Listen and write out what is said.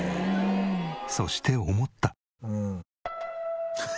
そして思った。